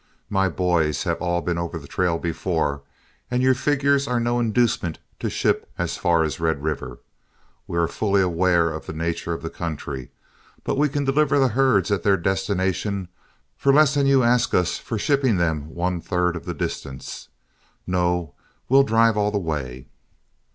My boys have all been over the trail before, and your figures are no inducement to ship as far as Red River. We are fully aware of the nature of the country, but we can deliver the herds at their destination for less than you ask us for shipping them one third of the distance. No; we'll drive all the way."